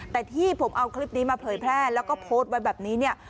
แต่ที่ผมเอาคลิปนี้มาเผยแพร่แล้วก็โพสต์ไว้แบบนี้เนี่ย